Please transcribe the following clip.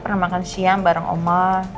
pembaikkan keluarga kita